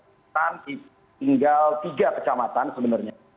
dan alhamdulillah hari ini dari dua belas kecamatan tinggal tiga kecamatan sebenarnya